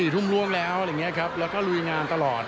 ๓๔ทุ่มล่วงแล้วอะไรอย่างนี้ครับ